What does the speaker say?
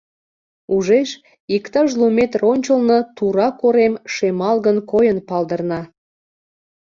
Ужеш: иктаж лу метр ончылно тура корем шемалгын койын палдырна.